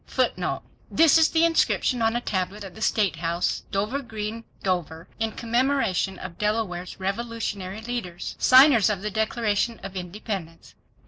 This is the inscription on a tablet at the State House, Dover Green, Dover, in commemoration of Delaware's revolutionary leaders. Signers of the Declaration of Independence.